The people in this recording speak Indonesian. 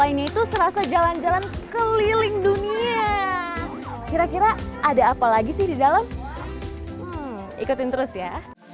lainnya itu serasa jalan jalan keliling dunia kira kira ada apa lagi sih di dalam ikutin terus ya